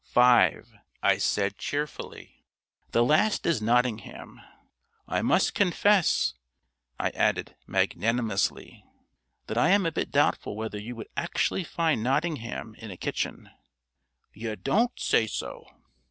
"Five," I said cheerfully. "The last is Nottingham. I must confess," I added magnanimously, "that I am a bit doubtful whether you would actually find Nottingham in a kitchen." "You don't say so!"